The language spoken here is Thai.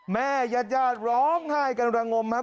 แม่ญาติร้องไห้กำลังงมครับ